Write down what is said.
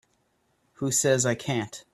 Who says I can't?